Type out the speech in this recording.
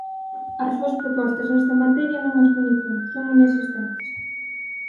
As súas propostas nesta materia non as coñecemos, son inexistentes.